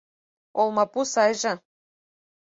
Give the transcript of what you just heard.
Олмапу сайже.